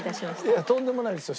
いやとんでもないですよ。